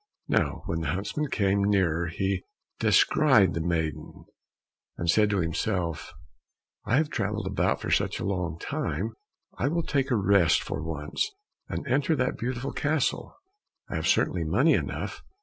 Now when the huntsman came nearer he descried the maiden, and said to himself, "I have travelled about for such a long time, I will take a rest for once, and enter that beautiful castle. I have certainly money enough."